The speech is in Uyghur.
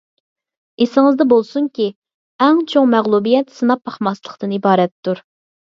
ئېسىڭىزدە بولسۇنكى، ئەڭ چوڭ مەغلۇبىيەت سىناپ باقماسلىقتىن ئىبارەتتۇر.